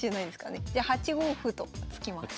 じゃ８五歩と突きます。